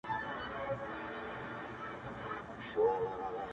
• رسنۍ موضوع نړيواله کوي..